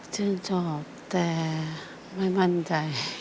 ชื่นชอบแต่ไม่มั่นใจ